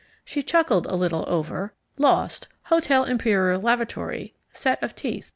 She chuckled a little over LOST Hotel Imperial lavatory, set of teeth.